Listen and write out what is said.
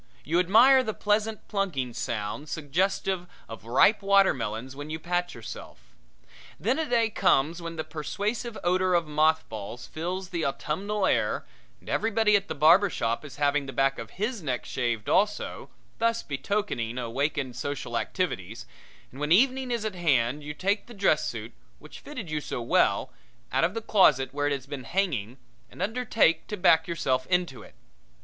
You admire the pleasant plunking sound suggestive of ripe watermelons when you pat yourself. Then a day comes when the persuasive odor of mothballs fills the autumnal air and everybody at the barber shop is having the back of his neck shaved also, thus betokening awakened social activities, and when evening is at hand you take the dress suit, which fitted you so well, out of the closet where it has been hanging and undertake to back yourself into it.